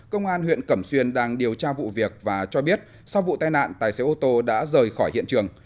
công an huyện cẩm xuyên đang điều tra vụ việc và cho biết sau vụ tai nạn tài xế ô tô đã rời khỏi hiện trường